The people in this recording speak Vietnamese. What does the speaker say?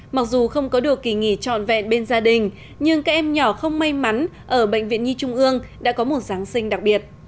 mặc dù không có được kỳ nghỉ trọn vẹn bên gia đình nhưng các em nhỏ không may mắn ở bệnh viện nhi trung ương đã có một giáng sinh đặc biệt